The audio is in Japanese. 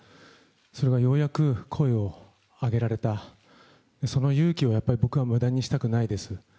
それがようやく声を上げられた、その勇気をやっぱり僕はむだにしたくないです。